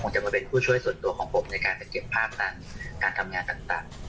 จะมาเป็นผู้ช่วยส่วนตัวของผมในการจะเก็บภาพทางการทำงานต่าง